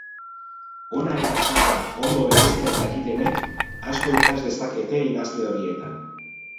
Ona eta txarra ondo bereizten dakitenek asko ikas dezakete idazle horietan.